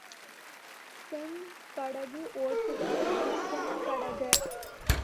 செம் படகு ஓட்டுபவர் செம்படகர்.